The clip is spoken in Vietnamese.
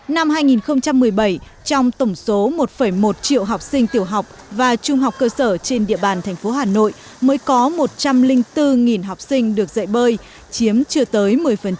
năm hai nghìn một mươi bảy trong tổng số một một triệu học sinh tiểu học và trung học cơ sở trên địa bàn thành phố hà nội mới có một trăm linh bốn học sinh được dạy bơi chiếm chưa tới một mươi